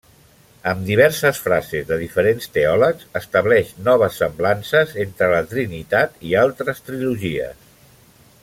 Amb diverses frases de diferents teòlegs, estableix noves semblances entre la Trinitat i altres trilogies.